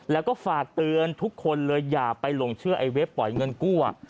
แล้วก็ฝากเตือนทุกคนเลยอย่าไปหลงเชื่อไอเว็บปล่อยเงินกู้